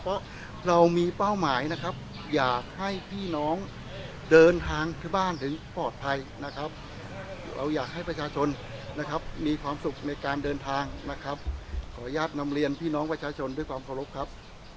เพราะเรามีเป้าหมายนะครับอยากให้พี่น้องเดินทางที่บ้านถึงปลอดภัยนะครับเราอยากให้ประชาชนนะครับมีความสุขในการเดินทางนะครับขออนุญาตนำเรียนพี่น้องประชาชนด้วยความเคารพครับ